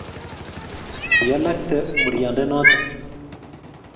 Kialakte muryande noto